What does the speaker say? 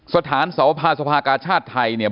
สถานสวภาสภากาชาติไทยเนี่ย